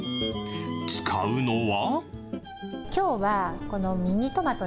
使うのは。